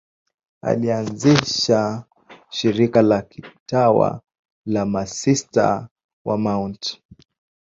Alianzisha shirika la kitawa la Masista wa Mt.